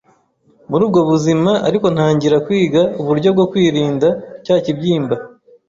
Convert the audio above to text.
muri ubwo buzima ariko ntangira kwiga uburyo bwo kwikandira cya kibyimba